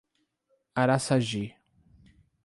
Araçagi